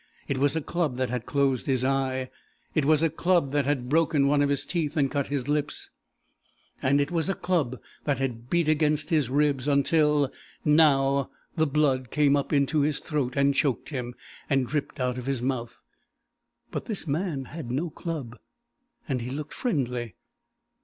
It was a club that had closed his eye. It was a club that had broken one of his teeth and cut his lips, and it was a club that had beat against his ribs until now the blood came up into his throat and choked him, and dripped out of his mouth. But this man had no club, and he looked friendly.